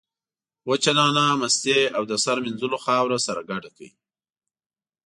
وچه نعناع، مستې او د سر مینځلو خاوره سره ګډ کړئ.